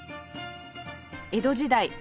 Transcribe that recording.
江戸時代